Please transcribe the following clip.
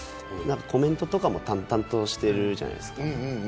コメントとかも淡々としているじゃないですか。